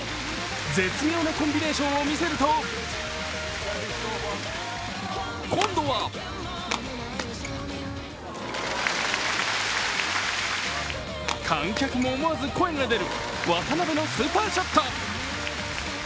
絶妙なコンビネーションを見せると今度は観客も思わず声が出る渡辺のスーパーショット。